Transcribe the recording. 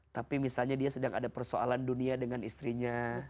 tapi misalnya dia sedang ada persoalan dunia dengan istrinya